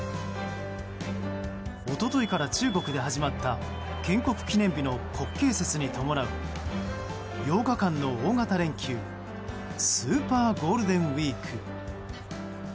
一昨日から中国で始まったのは建国記念日の国慶節に伴う８日間の大型連休スーパーゴールデンウィーク。